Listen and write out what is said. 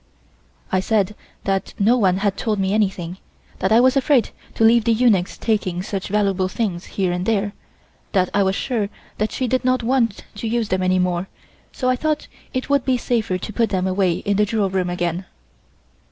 I said that no one had told me anything, that I was afraid to have the eunuchs taking such valuable things here and there, that I was sure that she did not want to use them any more, so I thought it would be safer to put them away in the jewel room again.